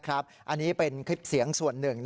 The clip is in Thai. อันนี้เป็นคลิปเสียงส่วนหนึ่ง